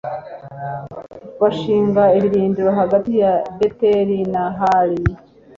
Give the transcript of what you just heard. bashinga ibirindiro hagati ya beteli na hayi